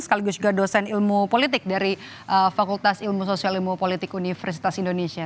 sekaligus juga dosen ilmu politik dari fakultas ilmu sosial ilmu politik universitas indonesia